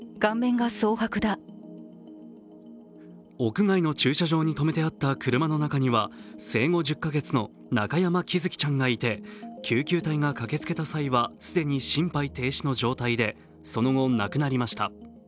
屋外の駐車場に止めてあった車の中には生後１０か月の中山喜寿生ちゃんがいて、救急隊が駆けつけた際は、既に心肺停止の状態でその後、亡くなりました。